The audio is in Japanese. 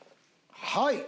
はい。